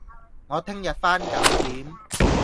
我聽日返九點